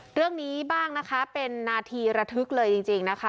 เรื่องนี้บ้างนะคะเป็นนาทีระทึกเลยจริงนะคะ